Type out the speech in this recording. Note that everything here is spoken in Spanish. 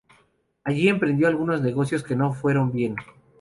Allí emprendió algunos negocios que no fueron bien.